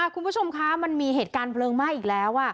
คุณผู้ชมคะมันมีเหตุการณ์เพลิงไหม้อีกแล้ว